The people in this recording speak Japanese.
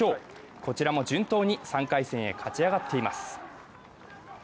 こちらも順当に３回戦へ勝ち上がっています。